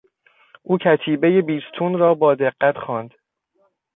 او کتیبهی بیستون را با دقت خواند.